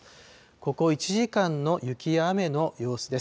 ここ１時間の雪や雨の様子です。